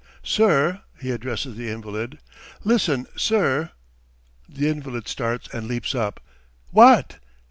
"Sir," he addresses the invalid. "Listen, sir. ..." The invalid starts and leaps up: "What?"